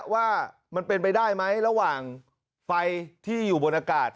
ว่ามันเป็นไปได้ไหมระหว่างไฟที่อยู่บนอากาศ